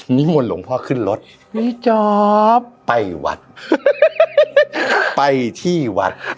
นี้มดหลงพ่อขึ้นรถพี่เจอบไปวัดไปที่วัด